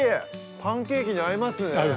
パンケーキに合いますね。